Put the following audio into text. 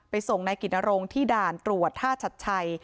ส่งนายกิจนรงค์ที่ด่านตรวจท่าชัดชัย